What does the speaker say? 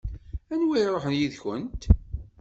Anwa i iṛuḥen yid-kent?